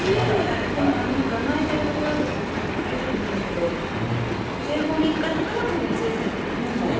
でも甘えているところを見ると飼いたくなるけど生後３日だからこの小ささなんですね。